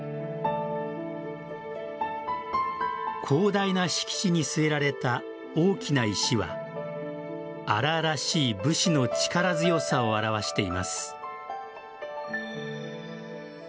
広大な敷地に据えられた大きな石は荒々しい武士の力強さを表しています。